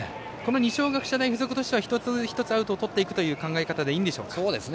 二松学舎大付属としては一つ一つアウトをとっていくという考え方でいいんでしょうか。